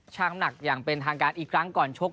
หนักอย่างเป็นทางการอีกครั้งก่อนชก